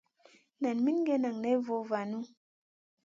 Nan min gue nan ney vovanu.